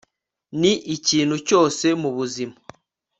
ni ikintu cyose mu buzima